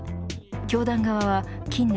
教団側は近年